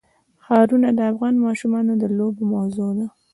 ښارونه د افغان ماشومانو د لوبو موضوع ده.